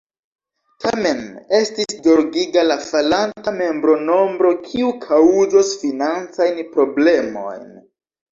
Tamen estis zorgiga la falanta membronombro, kiu kaŭzos financajn problemojn.